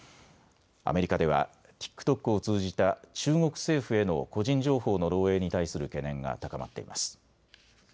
アメリカではＴｉｋＴｏｋを通じた中国政府への個人情報の漏えいに対する懸念が高まっています。